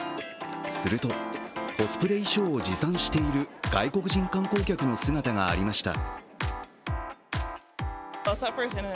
すると、コスプレ衣装を持参している外国人観光客の姿がありました。